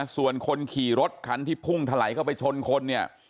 ส่วนคนขี่รถคันที่พุ่งถลายเข้าไปชนคนเนี่ย